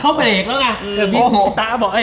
เท่าเบรกแล้วกัน